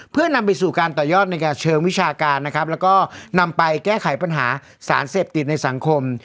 เพื่อนำไปสู่การต่อยอดในการเชิงวิชาการนะครับแล้วก็นำไปแก้ไขปัญหาสารเสพติดในสังคม